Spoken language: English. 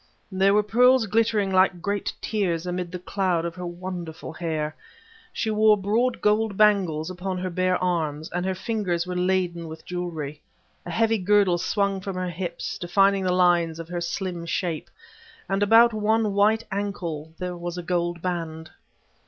There were pearls glittering like great tears amid the cloud of her wonderful hair. She wore broad gold bangles upon her bare arms, and her fingers were laden with jewelry. A heavy girdle swung from her hips, defining the lines of her slim shape, and about one white ankle was a gold band.